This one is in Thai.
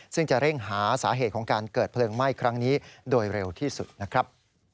ซึ่งจะเร่งหาสาเหตุของการเกิดเพลิงไหม้ครั้งนี้โดยเร็วที่สุดนะครับ